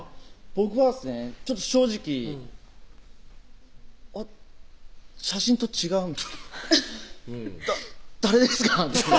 僕はですねちょっと正直あっ写真と違うみたいなだっ誰ですか？